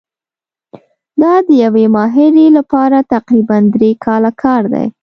دا د یوې ماهرې لپاره تقریباً درې کاله کار دی.